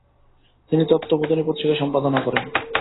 তিনি তত্ত্ববোধিনী পত্রিকা সম্পাদনা করেন।